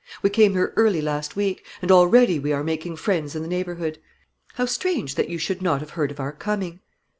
We came here early last week, and already we are making friends in the neighbourhood. How strange that you should not have heard of our coming!"